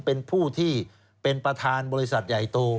เป็นผู้ที่เป็นประธานบริษัทใหญ่โต